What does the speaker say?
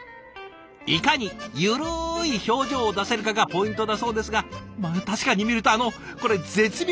いかに「ゆるい表情」を出せるかがポイントだそうですがまあ確かに見るとあのこれ絶妙なゆるさ加減！